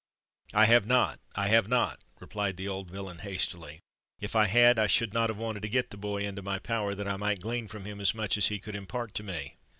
"I have not—I have not," replied the old villain hastily: "if I had, I should not have wanted to get the boy into my power, that I might glean from him as much as he could impart to me."